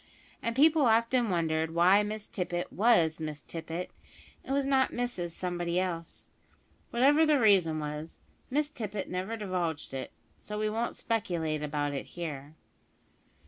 And people often wondered why Miss Tippet was Miss Tippet and was not Mrs Somebody else. Whatever the reason was, Miss Tippet never divulged it, so we won't speculate about it here.